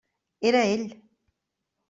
Era ell.